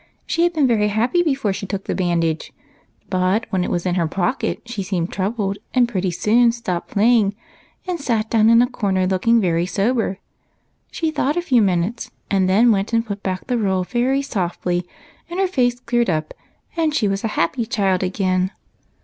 She had been very happy before she took the bandage, but when it was in her j^ocket she seemed troubled, and pretty soon stopped playing and sat down in a corner, looking very sober. She thought a few minutes, and then went and put back the roll very softly, and her face cleared up, and she was a happy child again.